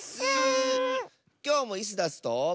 きょうもイスダスと。